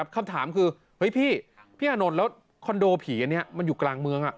คำถามคือเฮ้ยพี่พี่อานนท์แล้วคอนโดผีอันนี้มันอยู่กลางเมือง